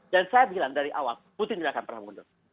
dan saya bilang dari awal putin tidak akan pernah mundur